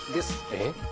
えっ？